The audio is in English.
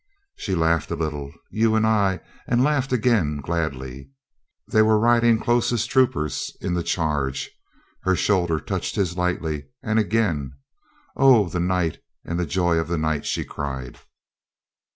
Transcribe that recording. She laughed a little. "You and I," ,and laughed again gladly. They were riding close as troopers in the charge. Her shoulder touched his lightly, and again. "Oh, the night and the joy of the night!" she cried.